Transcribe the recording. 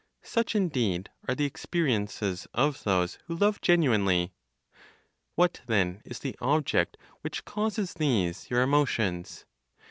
Such indeed are the experiences of those who love genuinely. What then is the object which causes these, your emotions?